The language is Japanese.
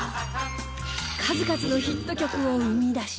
数々のヒット曲を生み出し中でも